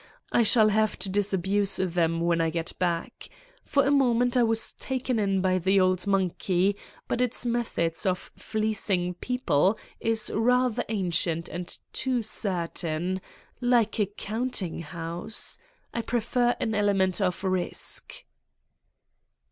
I shall have to disabuse them when I get back. For a moment I was taken in by the old monkey, but its method of fleecing people is rather ancient and too certain ... like a counting house. I prefer an element of risk."